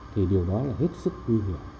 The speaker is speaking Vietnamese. thì điều đó là hết sức nguy hiểm